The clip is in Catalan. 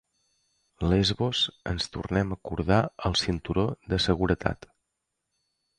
Lesbos, ens tornem a cordar el cinturó de seguretat.